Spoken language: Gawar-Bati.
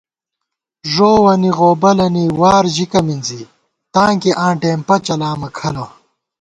ݫووَنی غوبَلَنی وار ژِکّہ مِنزی ، تاں کی آں ڈېمپہ چلامہ کھلہ